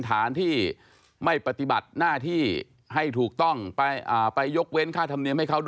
ฐานที่ไม่ปฏิบัติหน้าที่ให้ถูกต้องไปยกเว้นค่าธรรมเนียมให้เขา